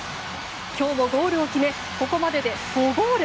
今日もゴールを決めここまでで５ゴール。